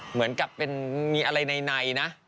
เหมือนกับเป็นมีอะไรในนะ